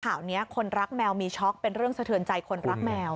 ข่าวนี้คนรักแมวมีช็อกเป็นเรื่องสะเทือนใจคนรักแมว